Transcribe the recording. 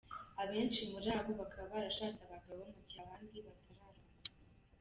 Abenshi muri bo bakaba barashatse abagabo, mu gihe abandi batararongorwa.